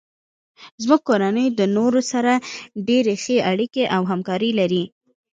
زمونږ کورنۍ د نورو سره ډیرې ښې اړیکې او همکاري لري